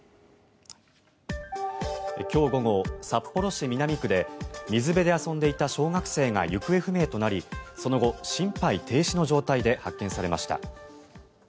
今日午後、札幌市南区で水辺で遊んでいた小学生が行方不明となりその後、心肺停止の状態で発見されました。